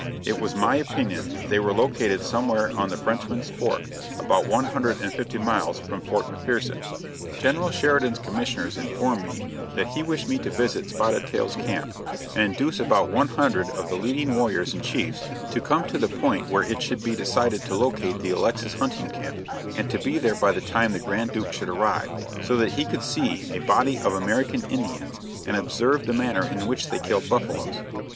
It was my opinion that they were located somewhere on the Frenchman's Fork about one hundred and fifty miles from Fort McPherson. General Sheridan's commissioners informed me, that he wished me to visit Spotted Tail's camp, and induce about one hundred of the leading warriors and chiefs, to come to the point where it should be decided to locate the Alexis hunting camp, and to be there by the time the Grand Duke should arrive, so that he could see a body of American Indians and observe the manner in which they killed buffaloes.